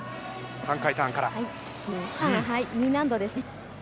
３回ターン、Ｅ難度です。